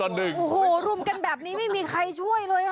โอ้โหรุมกันแบบนี้ไม่มีใครช่วยเลย